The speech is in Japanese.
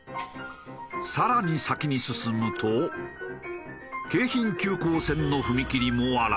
更に先に進むと京浜急行線の踏切も現れる。